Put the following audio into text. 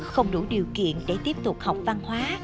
không đủ điều kiện để tiếp tục học văn hóa